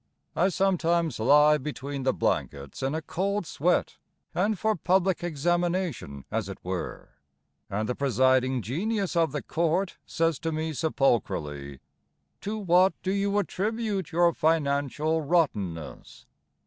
I sometimes lie Between the blankets In a cold sweat And for public examination as it were, And the presiding genius of the court Says to me, sepulchrally, "To what do you attribute your financial rottenness?"